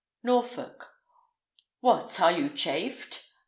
Norfolk. What, are you chafed?